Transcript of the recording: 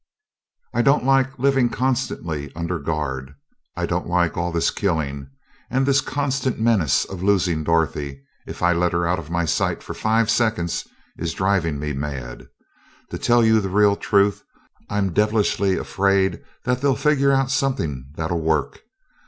I don't like living constantly under guard. I don't like all this killing. And this constant menace of losing Dorothy, if I let her out of my sight for five seconds, is driving me mad. To tell you the real truth, I'm devilishly afraid that they'll figure out something that'll work.